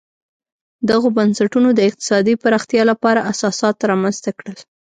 دغو بنسټونو د اقتصادي پراختیا لپاره اساسات رامنځته کړل.